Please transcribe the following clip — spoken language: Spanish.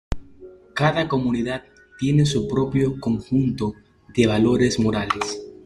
Cada comunidad tiene su propio conjunto de valores morales.